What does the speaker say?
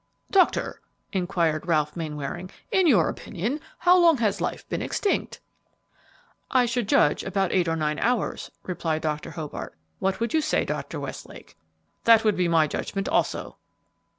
"Doctor," inquired Ralph Mainwaring, "in your opinion, how long has life been extinct?" "I should judge about eight or nine hours," replied Dr. Hobart. "What would you say, Dr. Westlake?" "That would be my judgment, also."